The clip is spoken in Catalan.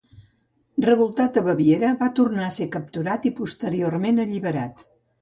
Revoltat a Baviera, va tornar a ser capturat i posteriorment alliberat.